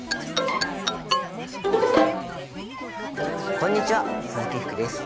こんにちは鈴木福です。